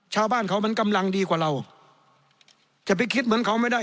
ชาวบ้านเขามันกำลังดีกว่าเราจะไปคิดเหมือนเขาไม่ได้